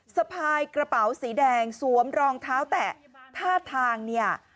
สะพายกระเป๋าสีแดงสวมรองเท้าแตะท่าทางเนี่ย